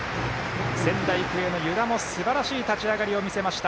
仙台育英の湯田もすばらしい立ち上がりを見せました。